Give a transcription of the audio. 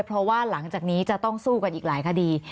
เพราะว่าหลังจากนี้จะต้องสู้กันอีกหลายคดี